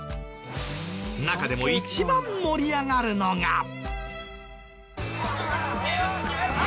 中でも一番盛り上がるのが。